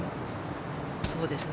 そうですね。